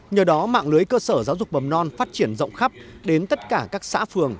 nhờ đó mạng lưới cơ sở giáo dục mầm non phát triển rộng khắp đến tất cả các xã phường